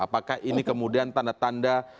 apakah ini kemudian tanda tanda